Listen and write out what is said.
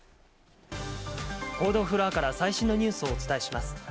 報道フロアから最新のニュースをお伝えします。